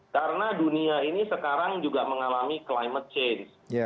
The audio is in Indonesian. karena dunia ini sekarang juga mengalami climate change